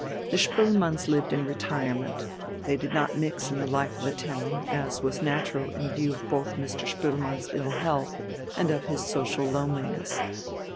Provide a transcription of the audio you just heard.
The Spoelmanns lived in retirement, they did not mix in the life of the town, as was natural in view both of Mr. Spoelmann's ill health and of his social loneliness.